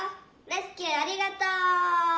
レスキューありがとう！」。